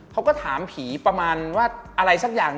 เขาก็ถามผีประมาณว่าอะไรสักอย่าง